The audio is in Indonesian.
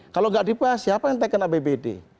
kalau tidak dibahas siapa yang terkena bpd